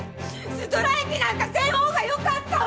ストライキなんかせん方がよかったわ！